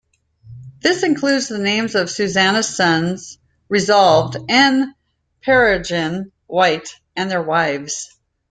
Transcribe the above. This includes the names of Susanna's sons Resolved and Peregrine White and their wives.